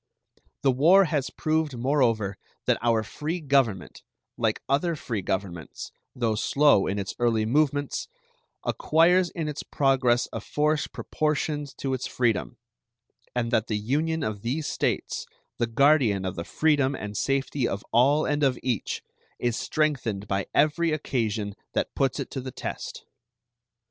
The war has proved moreover that our free Government, like other free governments, though slow in its early movements, acquires in its progress a force proportioned to its freedom, and that the union of these States, the guardian of the freedom and safety of all and of each, is strengthened by every occasion that puts it to the test.